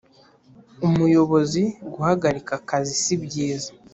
Umuyobozi guhagarika akazi si byiza